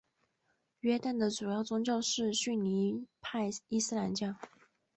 约旦的主要宗教是逊尼派伊斯兰教。